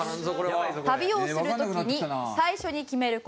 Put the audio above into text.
旅をする時に最初に決める事。